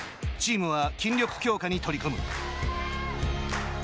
チームは筋力強化に取り組む。